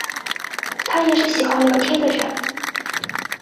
她也是喜欢聊天的人